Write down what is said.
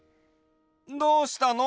どうしたの？